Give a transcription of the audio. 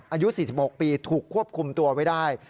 อายุ๔๖ปีถูกควบคุมตัวไว้ได้